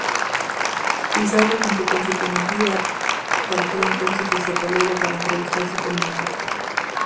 Pizarro, junto con su comitiva, partió entonces hacia Toledo para entrevistarse con el monarca.